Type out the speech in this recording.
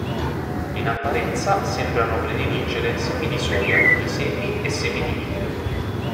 In apparenza, sembrano prediligere semi di soia, piselli e semi di miglio.